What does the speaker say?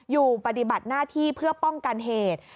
อยู่ปฏิบัติหน้าที่เพื่อป้องกันเหตุ